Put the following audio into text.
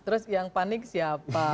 terus yang panik siapa